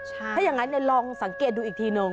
ถ้าอย่างนั้นลองสังเกตดูอีกทีนึง